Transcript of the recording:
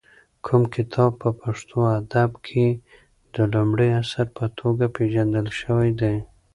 کوم کتاب په پښتو ادب کې د لومړي اثر په توګه پېژندل شوی دی؟